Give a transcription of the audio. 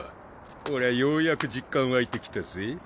俺はようやく実感湧いてきたぜ。